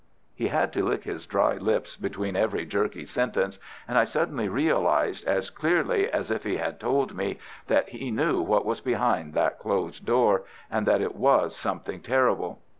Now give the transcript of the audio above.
He had to lick his dry lips between every jerky sentence, and I suddenly realized, as clearly as if he had told me, that he knew what was behind that closed door, and that it was something terrible.